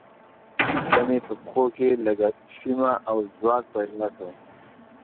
ایله مې پښو کې لږه شیمه او ځواک پیدا شو.